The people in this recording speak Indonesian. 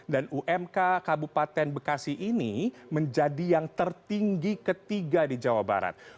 dan umk kabupaten bekasi ini menjadi yang tertinggi ketiga di jawa barat